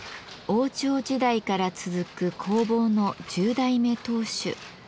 王朝時代から続く工房の１０代目当主知念冬馬さん。